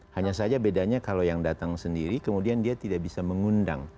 hanya saja bedanya kalau yang datang sendiri kemudian dia tidak bisa mengundang